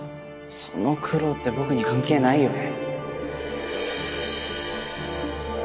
その苦労って僕に関係ないよね。